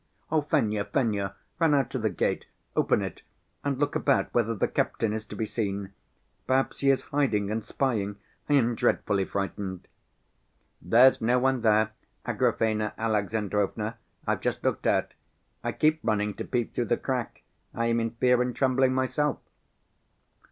Fenya, Fenya, run out to the gate, open it and look about whether the captain is to be seen! Perhaps he is hiding and spying, I am dreadfully frightened." "There's no one there, Agrafena Alexandrovna, I've just looked out, I keep running to peep through the crack, I am in fear and trembling myself."